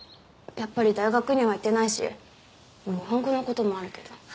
やっぱり大学には行ってないし日本語の事もあるけど。